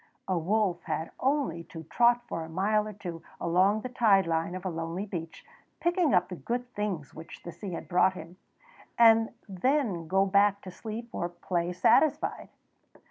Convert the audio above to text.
A wolf had only to trot for a mile or two along the tide line of a lonely beach, picking up the good things which the sea had brought him, and then go back to sleep or play satisfied.